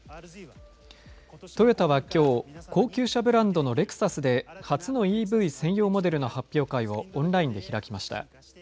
トヨタはきょう高級車ブランドのレクサスで初のＥＶ専用モデルの発表会をオンラインで開きました。